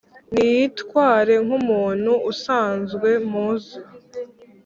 ,ntiyitware nk’umuntu usanzwe muzi